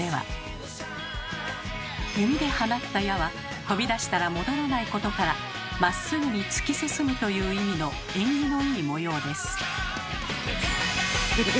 弓で放った矢は飛び出したら戻らないことから「まっすぐに突き進む」という意味の縁起のいい模様です。